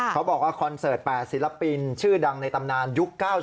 เขาบอกว่าคอนเซิร์ตแปดศิลปินชื่อดังในตำนานยุค๙๐